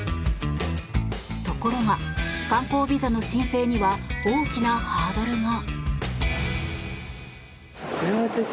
ところが、観光ビザの申請には大きなハードルが。